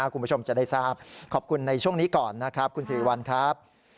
คุณผู้ชมจะได้ทราบขอบคุณในช่วงนี้ก่อนนะครับคุณสิริวัลครับ